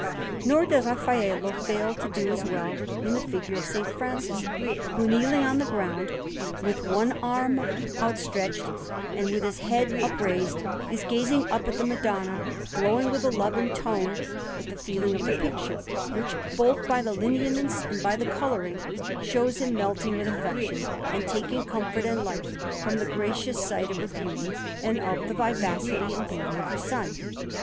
Nor did Raffaello fail to do as well in the figure of S. Francis, who, kneeling on the ground, with one arm outstretched, and with his head upraised, is gazing up at the Madonna, glowing with a love in tone with the feeling of the picture, which, both by the lineaments and by the colouring, shows him melting with affection, and taking comfort and life from the gracious sight of her beauty and of the vivacity and beauty of her Son.